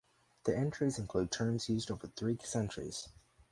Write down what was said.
The entries include terms used over three centuries.